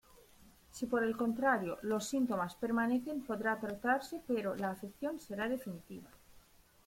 Si por el contrario los síntomas permanecen, podrá tratarse, pero la afección será definitiva.